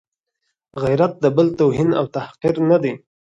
غیرت د بل توهین او تحقیر نه دی.